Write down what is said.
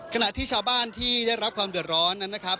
ขณะที่ชาวบ้านที่ได้รับความเดือดร้อนนั้นนะครับ